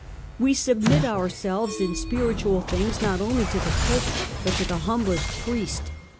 We submit our selves in spiritual things not only to the Pope, but to the humblest priest.